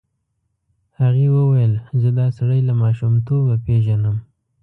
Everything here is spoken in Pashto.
هغې وویل زه دا سړی له ماشومتوبه پېژنم.